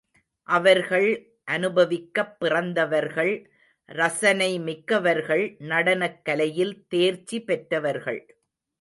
அவர்கள் அனுபவிக்கப் பிறந்தவர்கள் ரசனை மிக்கவர்கள் நடனக் கலையில் தேர்ச்சி பெற்றவர்கள்.